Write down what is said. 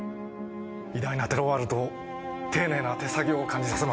偉大なテロワールと丁寧な手作業を感じさせます。